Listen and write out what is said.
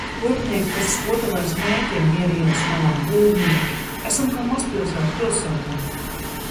Kurpnieks, kas skotelē smēķē Miera ielas malā. Būvnieki. Esam kā mazpilsēta pilsētā.